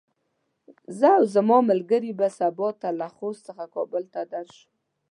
زه او زما ملګري به سبا ته له خوست څخه کابل ته درشو.